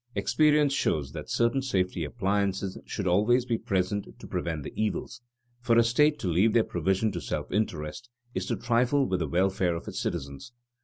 Experience shows that certain safety appliances should always be present to prevent the evils; for a state to leave their provision to self interest, is to trifle with the welfare of its citizens.